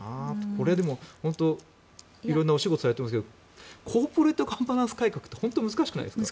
これ、でも本当色んなお仕事されていますがコーポレートガバナンス改革って本当に難しくないですか？